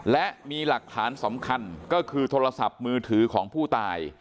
และมีหลักฐานสำคัญก็คือโทรศัพท์มือถือของผู้ตาย